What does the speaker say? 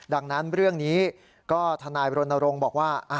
ดังนั้นเรื่องนี้ก็ทนายรณรงค์บอกว่า